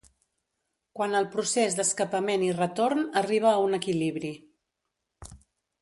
Quan el procés d'escapament i retorn arriba a un equilibri.